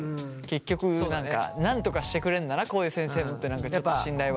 結局なんとかしてくれるんだなこういう先生ってちょっと信頼は。